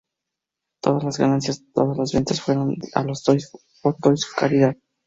Todas las ganancias de las ventas fueron a las Toys for Tots caridad.